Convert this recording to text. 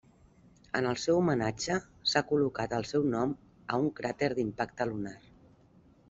En el seu homenatge, s'ha col·locat el seu nom a un cràter d'impacte lunar.